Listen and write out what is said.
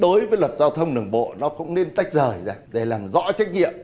đối với luật giao thông đường bộ nó cũng nên tách rời ra để làm rõ trách nhiệm